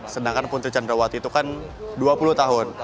sedangkan putri candrawati itu kan dua puluh tahun